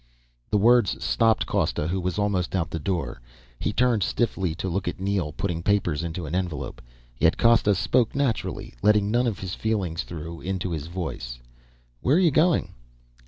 The words stopped Costa, who was almost out the door. He turned stiffly to look at Neel putting papers into an envelope. Yet Costa spoke naturally, letting none of his feelings through into his voice. "Where are you going?"